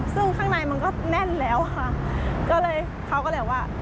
ซึ่งข้างในมันก็แน่นแล้วค่ะก็เลยเขาก็เลยบอกว่า